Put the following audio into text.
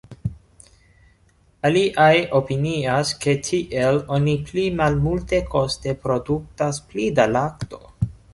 Aliaj opinias, ke tiel oni pli malmultekoste produktas pli da lakto.